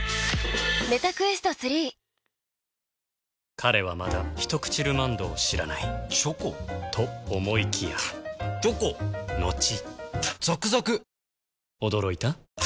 彼はまだ「ひとくちルマンド」を知らないチョコ？と思いきやチョコのちザクザク！